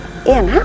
pasti dia cantik